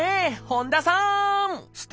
本多さん